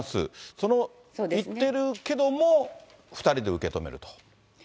その言ってるけども、２人で受け止めると。